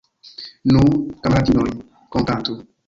Nu, kamaradinoj, kunkantu!